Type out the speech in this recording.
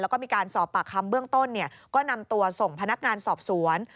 แล้วก็มีการสอบปากคำเบื้องต้นก็นำตัวส่งพนักงานสอบสวน